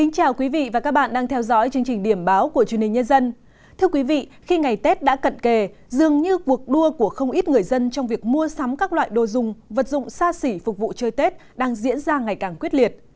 các bạn hãy đăng ký kênh để ủng hộ kênh của chúng mình nhé